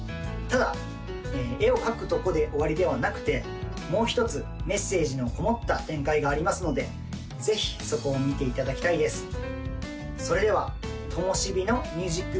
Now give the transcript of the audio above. ただ絵を描くとこで終わりではなくてもう一つメッセージのこもった展開がありますのでぜひそこを見ていただきたいです